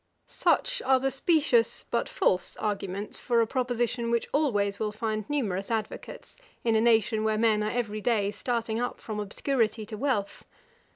Such are the specious, but false arguments for a proposition which always will find numerous advocates, in a nation where men are every day starting up from obscurity to wealth.